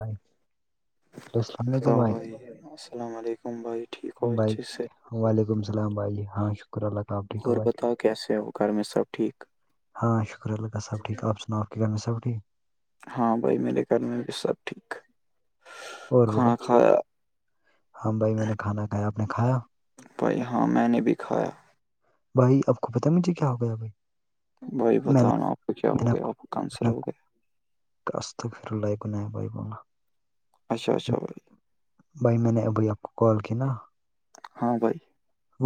فائ بتاؤ بھائی السلام علیکم بھائی ٹھیک ہو ا بھائی چ سے- وعلیکم السلام بھ جی ہاں شکہ- شک اللہاب اور بتاؤ کیسے ہو وہ گھر میں سب ٹھیک- ہاں شکر اللہ سب ٹھیک آپ سنا آپم ہے سب ٹھیک- ہاں بھائی میرے گھر میں بھی سب ٹھیک اور بولو کھانا کھایا ہاں بھائی میں نے کھانا کھایا آپ نے کھایا- بھائی ہاں میں نے بھی کھایا- بھائی آپ کو پتا مجھے کیا ہو گیا بھائی بھائی میں نے بتاؤ نا آپ کو کیا میں ہو گیا آپ کونسر ہو گیا- کست خ ل کو ن بھ بولنا اچھا اچھا بھائی بھائی میں نے ابھائی آپ کو کال کی نا- ہاں بھائی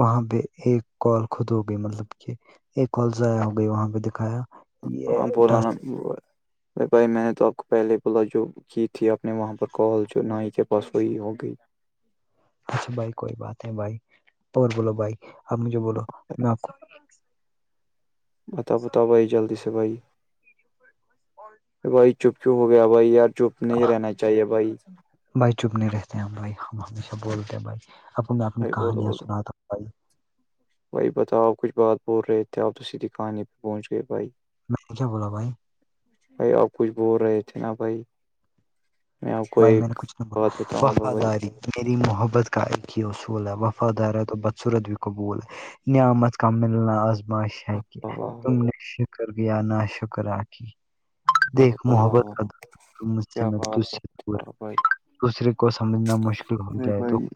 وہاں پہ ایک کال خود ہو گئی مطلب کہ ایک کال ضائع ہو گئی وہاں پہ دکھایا- ہاں یہ بول نا ٹاسک بھائی میں نے تو آپ کو پہلے بولا جو- کی تھی آپ نے وہاں پر کال جو نائی کے پاس ہوئی ہوگئی- اچھا بھائی کوئی بات ہے بھائی اور بولو بھائی آپ نے جو بولو میں آپ کو- بتا- بتا بھائی جلدی سے بھائی- بھائی- چپ کیوں ہو گیا بھائی یار چپ نہیں رہنا چاہیے بھائی- بھائی چپنے رہتے ہیں ہم بھائی ہم ہمیشہ بولتے ہیں بھائی اب کو میں اپنی بھائی بولو کہانیاں بولو سناتا ہ بھائی- بھائی بتاؤ کچھ بات بول رہے تھے آپ تو سید دے کہانے پہ پہنچ گئے بھائی- میںچ کیا بولا بھائی- بھائی آپ کچھ بول رہے تھے نا بھائی- میں آپ کو بھائی میں نے ایک کچھ نہیں بات بولا بتاؤں گا بھائی وفاداری میری محبت کا ایکم ہی اصول ہے وفادار ہے تو بدسورت بھی قبول ہے- نعمت کا ملنا آزماش کہ واہ واہ تم نے شکر گیا نا شکرہ- واہ واہ دیکھ واہ واہ محبت واہ، مجھ سے میں- دور ا بئی دوسرے کو سمجھنا مشکل ہو جائے تو- بھائی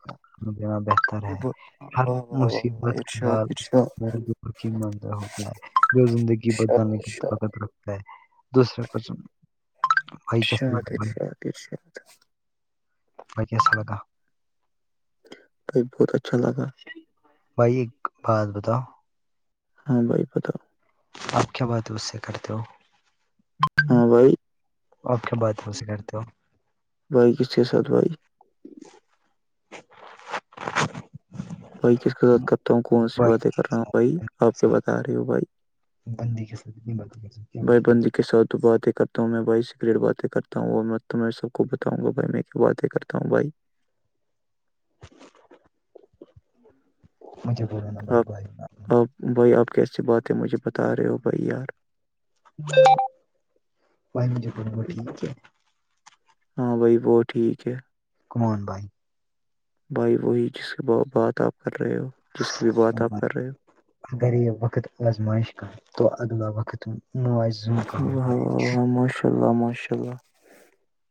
دینا بہتر ہے واہ ہر واہ واہ واہ، مصیبت ارشاد خیال ارشاد منر ہوتا ہے جو زندگی ارشاد بدلنے کر ارشاد فقت- رتا ہے دوسرے کو بھائی اچھا کیسا لگا بھائی اشا ا اچشاات بیس لگا- بائی بہت اچھا لگا- بھائی ایک بات بتاؤ- ہاں بائی پتاؤ- آپ کیا بات ہے اس سے کرتے ہو- ہاں بھائی آپ کے باتوں سے کرتے ہو ب چات بائی [unintelligible] بھائیس کی د ہو کرتا ہوں کون سی بھائی باتیں کر رہا کے ہوں بھائی ساتھ بندی آپ کے کیا ساتھ بتا رہے ہو بھائی بندی کےات بات کیا بات بھائی بندی کے ساتھ باتیں کرتا ہوں میں بھائی سگریٹ باتیں کرتا ہوں اور تمہ س کو بتاؤں گا بائی میں کیا باتیں کرتا ہوں بھائی مجہ بناا بائی آپ بائی آپ بھائی آپ کیسی بات ہے مجھے بتا رہے ہو بھائی یار [unintelligible] ہاں بھائی وہت ٹھیک ہے کمان بائی بھائی وہی جس کی بات آپ کر رہے ہو جس کی بھی بات آپ کر رہے ہو ار وقت آز مائش کا تو اگلا وقت آ ہو ہاں ہاں ماشاء اللہ ماشاء اللہ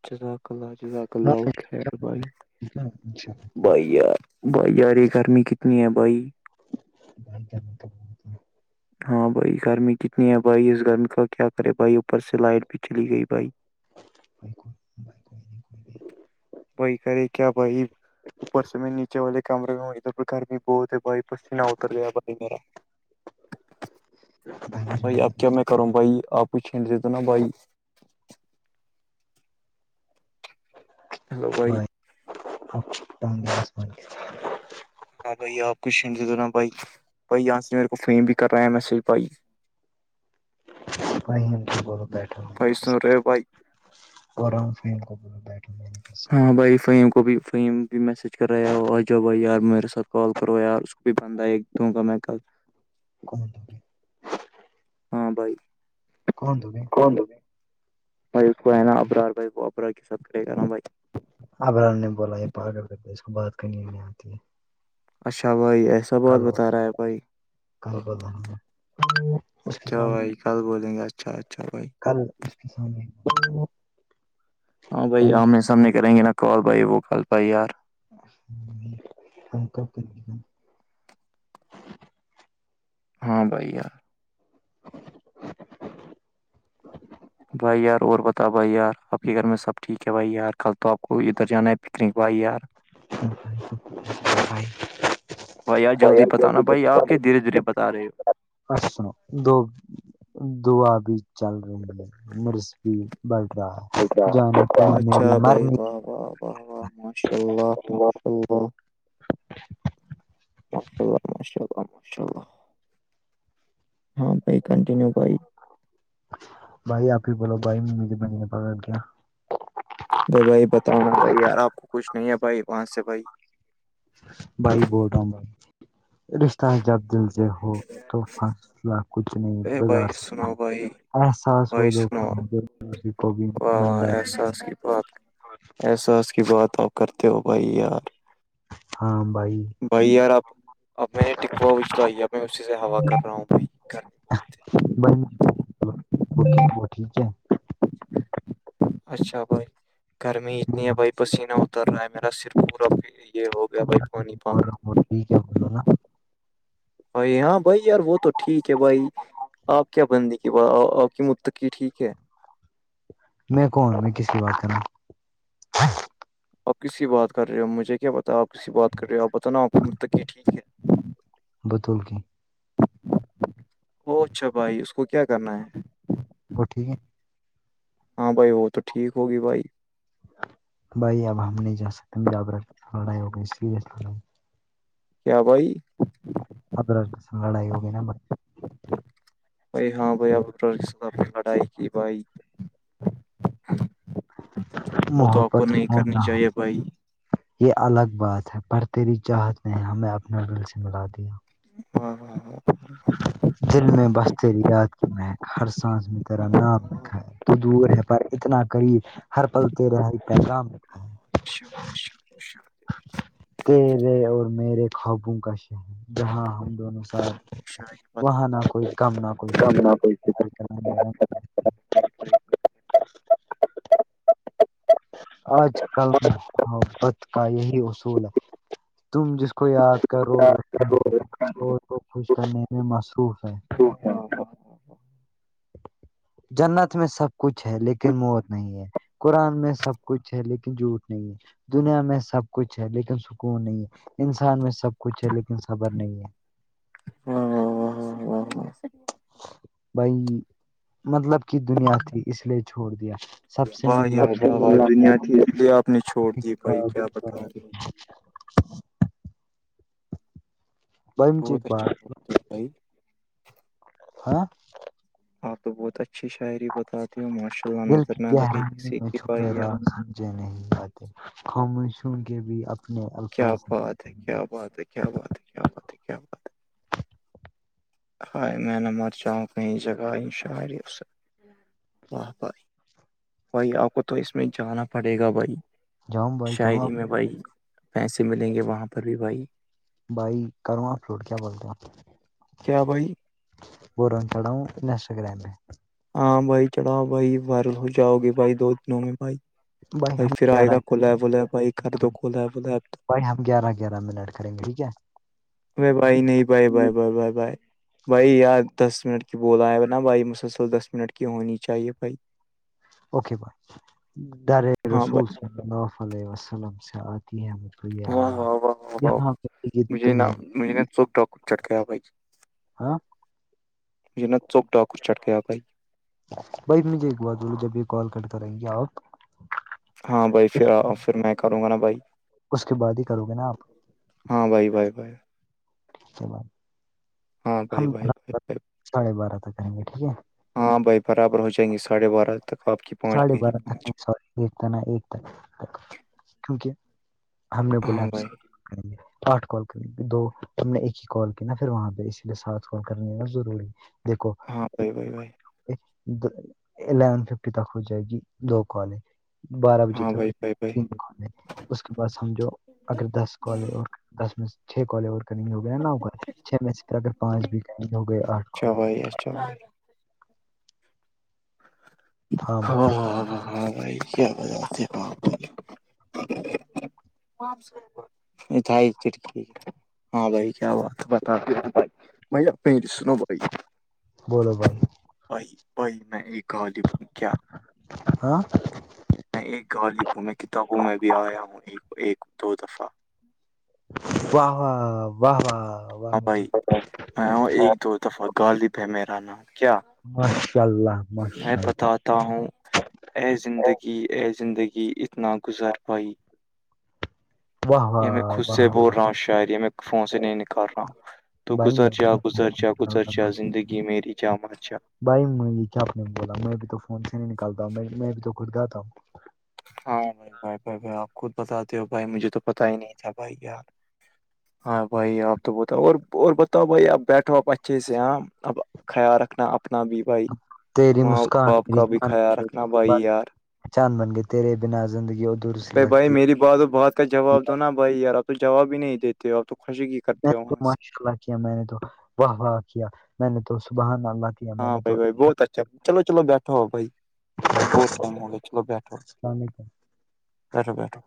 جزاک جلہ ک لؤ خیر بھائی بھائی یار بھائی یار یہ گرمی کتنی ہے بھائی ڈان کیا ب ب ہاں بھائی گرمی کتنی ہے بھائی اس گرمی کا کیا کرے بھائی اوپر سے لائٹ بھی چلی گئی بھائی [unintelligible] بھائی خے کیا بھائی اوپر سے میں نیچے والے کمرے میں ہونےد گھر بھی بہت ہے بھائی پچینہ اتر گیا بھائی میرا بھائی آپ کیا میں کروں بھائی آپ ہی چھین دیتا نا بھائی ہیلو بھائی [unintelligible] ہاں بھائی آپ کوچ سجھ دو نا بھائی بھائی یہاں سے میرے کو فم بھی کرا ہے میسج بھائی ف کو بولو بیٹھا بھائی سن رہے ہو بھائی اور رام فم کو بول بیٹھا میں نے ہاں بھائی فیم کو بھی فیم بھی میسج کرایا ہو آ جاؤ بھائی یار میرے ساتھ کال کرو ار اس کو بھی بندھا ایک دوں کا میں کومن ت ہاں بھائی کون تو بی بھائی کو ہے نا ابرار بھائی وہ ابر سب کرے کر رہا ہوں بھائی ابرال نے بولا یہ پا اس کو بات کر نہیں آتی ہے اچھا بھائی ایسا بہت کل بتا رہا ہے بھائی کل بولا اس کے اچھا سامنے بھائی کل بولیں گے اچھا اچھا بھائی کل اس کے سامنے ہاں بھائی آ ہمیں سامنے کریں گے نا کال بھائی وہ کال بھائی یار [unintelligible] ہاں بھیا [unintelligible] بھائی یار اور بتاؤ بھائی یار آپ کے گھر میں سب ٹھیک ہے بھائی یار کل تو آپ کو ادھر جانا ہے پکنکوائی یار [unintelligible] بھائی آج جلدی اور بتانا بھائی آپ کیا دھیرے دھیرے بتا رہے ہو پر سنو دو دو آبھی چل رہی مرس بڑھ رہا ہے ہو جانے پاننے بھی اچھا بھائی مرنے واہ واہ و واہ مش اور ماشاء اللہ ماشاء اللہ ماشاء اللہ ہاں بھائی کنٹینیو بھائی بھائی آپ ہی بولو بھائی ممی بنییا پاگیا بھائی بھائی بتانا چاہیےیار آپ کو کچھ نہیں ہے بھائی وہاں سے بھائی بائی بوٹ ہوں بائی رشتہ سے جب جل سےے ہو تو ا فاصلہ کچھ نہیں بگاڑ بھائی سکتا سنو بھائی احساس ہو بھائی دو کہ سنو اسسی کو بھی بند اساس کی بات احساس کی بات آپ کرتے ہو بھائی یار ہاں بھائی بھائی یار اب اب میں نے ٹکوا بچلائی ہے میں اسی سے ہوا کر رہا ہوں بھائی بہت ہے بائی وہ ٹھیک ہے اچھا بھائی گرمی اتنی بول ہے رہا بھائی پسینہ اتر رہا ہے میرا سرف پورا پ یہ ہو گیا بھائی پانی پانی ہوں ٹھیک ہے بولو نا بھائی ہاں بھائی یار وہ تو ٹھیک ہے بھائی آپ کیا بندی کی آپ کی متق کی ٹھیک ہے میں کون ہ میں کس کی بات کرا آپ کسسی بات کر رہے ہو مجھے کیا پتا آپ کسسی بات کر رہے ہو آپ بت نا آپ کو مرتقی ٹھیک ہے بتول کی او اچھا بھائی اس کو کیا کرنا ہے وہٹھیک ہے ہاں بھائی وہ تو ٹھیک ہوگی بھائی بھائی اب ہم نہیں جا سکتے ج لڑائی ہوئی کیا بھائی ار سنگڑیوگین برتے ہے بھائی ہاں بھائی اب پرسد لڑائی کی بھائی وہ تو آپ کو محقت نہیں ہو کرنی نہ ہو چاہیے بھائی یہ الگ بات ہے پر تری چاہت نے ہمیں اپنا دل سے ملا دیا ہاں ہاں ج دل میں بس تری یاد کی مہک ہر سانس میں تیرا واہ نام واہ واہ واہ۔ رکھا ہے تو دور ہے پر اتنا قریب ہر پلتے رہ پیغامکھا شکریہ شکہ تیرے اور میرے خوابوں کا شہر جاں ہم دونوں ساتھ کیا شاعری وہاں نہ بتاتی ہوں کوئی بھائی کم نہ آپ کوئی کی شاعری بتاتے ہو بھائی، کم نہ کوئی فکر بھائی آج کل میں محبت کا یہی اصول ہے تم جس کو یاد کرو وا ہو شور کو خوش کرنے میں مصروف ہے ا ہاں جنت میں سب کچھ ہے لیکن موت نہیں ہے قرآن میں سب کچھ ہے لیکن جھوٹ نہیں ہے دنیا میں سب کچھ ہے لیکن سکون نہیں ہے انسان میں سب کچھ ہے لیکن صبر نہیں ہے ہ [unintelligible] بھائی مطلب کی دنیا کی اس لیے چھوڑ دیا سب سے ملنا آپ کی آواز لیے آپ نے چھوڑ دی بھائی کیا بتا رہے ہو [unintelligible] بھائی مجھے بہت ایک اچھا بات ل پ [unintelligible] ہاں [unintelligible] آپ تو بہت اچھی شاعری بتاتی ہو ماشا اللہ دل نظر کی نہ لگی گہرائیوں کسی میں کی چھپے بائی ہے راز [unintelligible] سمجھے نہیں آاتے خومشوں کے بھی اپنے کیا الفاظ بات ہے [unintelligible] کیا بات ہے کیا بات ہے کیا بات ہے کیا بات ہے [unintelligible] ہائے میں نمر چاہوں کہیں جگہ ان شری سے [unintelligible] واہ بھائی بھائی آپ کو تو اس میں جانا پڑے گا بھائی [unintelligible] جاؤں بھائی کروں شاعری اپ میں بھائی پیسے ملیں گے وہاں پر بھی بھائی [unintelligible] [unintelligible] بھائی کروں آپ فوٹ کیا بولتے ہو [unintelligible] کیا بھائی [unintelligible] بوں چڑو انسٹ گرام میں [unintelligible] ہاں بھائی چڑھاؤ بھائی وار ہو جاؤ گے بھائی دو دنوں میں بھائی [unintelligible] بھائی ہم پھر آئے گیارہ گا کلا بول ہے بھائی کر دو کلا ہے بول ا [unintelligible] ب ہم گار [unintelligible] آرامینٹ کریں گے ٹھیک ہے [unintelligible] ا بائی نہیں بائی بائی بائی بائی بائی [unintelligible] بھائی یار دس منٹ کی بول آ ہے ہو نا بھائی مسلسل دس منٹ کی ہونی چاہیے بھائی اوکے بھائیول ہاں بھائی [unintelligible] ت م تو یہ واہ آواز واہ واہ [unintelligible] پہ یہ مجھے نا تمہیں مجھے نا چوک ڈ چھکایا بھائی [unintelligible] ہاں [unintelligible] ڑ [unintelligible] م نا چوک ڈاکر چٹ کے آ بھائی بائی مجھے ایک بات بولو جب یہ کال کر [unintelligible] ہاں بھائی پھر پھر میں کروں گا نا بھائی اس کے بعد ہی کرو گے نا آپ ہاں بھائی بھائی بھائی [unintelligible] ٹھیک ہے بائی ہاں ہم بھائی بھائی بھائی بھائی ساڑھے بارہ تک کریں گے ٹھیک ہے [unintelligible] ہاں بھائی برابر ہو جائیں گےاھے بارہ [unintelligible] پانچ ساڑے میری بارہ تک پانچ نہیں س [unintelligible] ایکتا ن ایک تھا کیونکہ ہم نے بولا ہاں بھائی ہم [unintelligible] آٹھ کال کرنی دو ہم نے ایک ہی کال کی نا پھر وہاں پہ اسی لیے سات کال کرنی ہے نا ضروری ہے [unintelligible] دیکھو [unintelligible] ہاں بھائی بھائی بھائی [unintelligible] الیون ففٹی تک ہو جائے گی دو کال [unintelligible] بارہ بجے ہاں توھر بھائی ت بھائی بھائی گھن [unintelligible] اس کے بعد س ہم جو اگر دس کال اور دس میں چھ کالج اور [unintelligible] ک ہوگیا نا نو کا چھ میں سے اگر پانچ بھی ک ہو گئے آٹھ اچھا [unintelligible] بھائی اچھا [unintelligible] ہاں ہاںاںاں [unintelligible] ہاں بھائی کیا بتاتےپ [unintelligible] مھائی چٹکی ہاں بھائی کیا ہوات بتا دی بھائی [unintelligible] بھائی آپنے ہی دسناو بھائی [unintelligible] بولو بھائی [unintelligible] بئی بی میں ایک غالب ہوں کیا [unintelligible] ہاں میں ایک غالب ہ میں کتابوں میں بھی آیا ہوں ایک ایک دو دفعہ واہ و واہ واہ [unintelligible] ہاں بھائی میں ہوں ایک دو دفعہ غالب ہے میرا نام [unintelligible] ماشاء اللہ ماشاء اللہ [unintelligible] تا ہوں اے زندگی ا زندگی اتنانا گزر پائی واہ یا میں واہ خود سے واہ بول واہ رہا ہوں شاعید یا میں فون سے نہیں نکال رہا ہوں تو بھائی گزر میں بھی چا تو فون گزرچ سے نکالتا گزرچا ہوں زندگی میری کیا متچا بھائی میں یہ کیاپ نے بولا میں بھی تو فون سے نہیں نکالتا ہوں میں بھی تو خود گاتا ہوں ہاں بھائی بھائی بھائی بھائی آپ خود بتاتے ہو بھائی مجھے تو پتا ہی نہیں تھا بھائی یار ہاں بھائی آپ تو بتا اور اور بتاؤ بھائی اب بیٹھو آپ اچھے سے ہاں اب خیال رکھنا اپنا بھی بھائی تیری ماں مسکان باپ میری کا بھی جان بن خیال گئی، رکھنا تیری بھائی بات یار پہچان بن گئے تیرے بنا زندگی ادھر سے ب بھائی میری بات اور بات کا جواب دو نا بھائی یار آپ تو جواب ہی نہیں دیتے ہو آپ تو خوشی کی میں کرتے ہو نے تو وہاں سے ماشاء اللہ کیا میں نے تو واہ واہ کیا میں نے تو سبحان اللہ کیا میں ہاں نے بھائی تو بھائی بہت اچھا چلو چلو بیٹھو بھائی بہت ٹم ہو گیا چلو بیٹھو اللامیک [unintelligible] بیٹو بیٹو